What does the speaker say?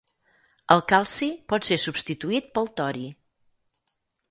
El calci pot ser substituït pel tori.